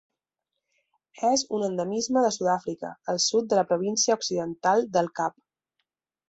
És un endemisme de Sud-àfrica al sud de la Província Occidental del Cap.